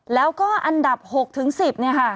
แล้วก็อันดับ๖๑๐เนี่ยค่ะ